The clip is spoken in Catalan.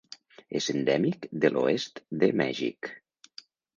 És endèmic de l'oest de Mèxic.